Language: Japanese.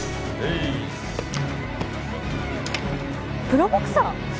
プロボクサー！？